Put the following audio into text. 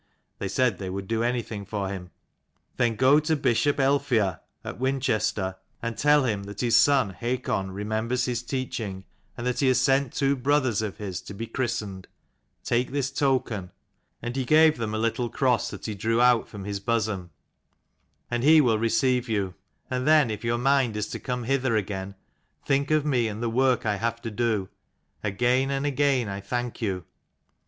They said they would do anything for him. "Then go to Bishop Aelfheah at Winchester; and tell him that his son Hakon remembers his teaching, and that he has sent two brothers of his to be christened. Take this token " (and he gave them a little cross which he drew 191 " I am hasty, thank you for CHAPTER XXXII. AT LONDON. out from his bosom) "and he will receive you. And then, if your mind is to come hither again, think of me and the work I have to do. Again and again I thank you.